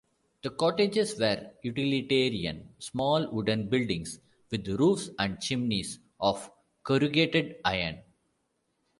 The cottages were utilitarian small wooden buildings with roofs and chimneys of corrugated iron.